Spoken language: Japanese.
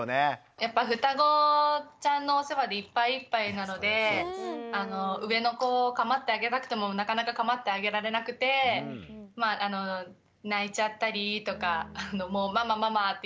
やっぱ双子ちゃんのお世話でいっぱいいっぱいなので上の子をかまってあげたくてもなかなかかまってあげられなくて泣いちゃったりとかもうママママ！っていう感じで。